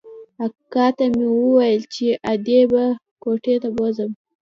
اکا ته مې وويل چې ادې به کوټې ته بوځم.